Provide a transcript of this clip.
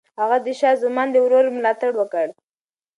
هغه د شاه زمان د ورور ملاتړ وکړ.